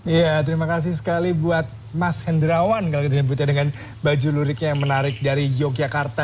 iya terima kasih sekali buat mas hendrawan kalau kita nyebutnya dengan baju luriknya yang menarik dari yogyakarta